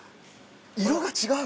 色が違う。